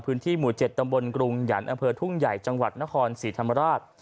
พื้นที่หมู่๗ตำบลกรุงหยันต์อำเภอทุ่งใหญ่จังหวัดนครศรีธรรมราช